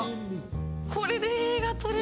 これで映画撮れる。